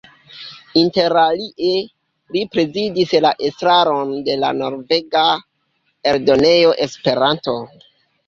Interalie, li prezidis la estraron de la norvega Eldonejo Esperanto.